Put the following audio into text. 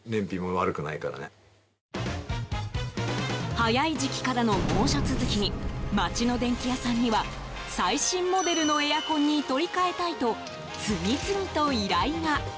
早い時期からの猛暑続きに街の電器屋さんには最新モデルのエアコンに取り替えたいと次々と依頼が。